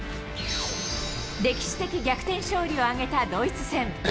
歴史的逆転勝利を挙げたドイツ戦。